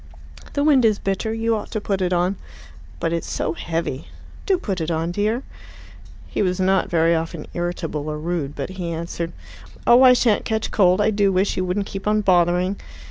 "The wind is bitter. You ought to put it on." "But it's so heavy." "Do put it on, dear." He was not very often irritable or rude, but he answered, "Oh, I shan't catch cold. I do wish you wouldn't keep on bothering."